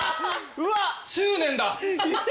執念だ。